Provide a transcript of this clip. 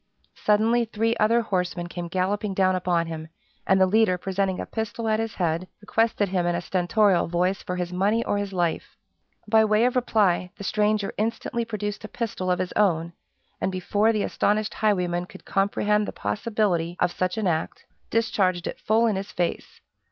Suddenly three other horsemen came galloping down upon him, and the leader presenting a pistol at his head, requested him in a stentorial voice for his money or his life. By way of reply, the stranger instantly produced a pistol of his own, and before the astonished highwayman could comprehend the possibility of such an act, discharged it full in his face.